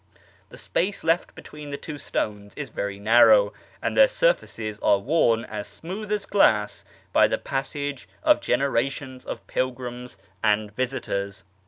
The space left between the two stones is very narrow, and their surfaces are worn as smooth as glass by the passage of generations of pilgrims and visitors.